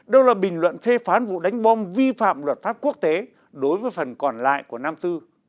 đâu là bình luận phê phán vụ đánh bom vi phạm luật pháp quốc tế đối với phần còn lại của nam tư